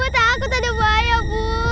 ibu takut ada bahaya bu